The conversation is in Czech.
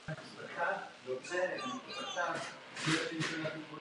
Soustavně se věnoval především zkoumání ústavních systémů.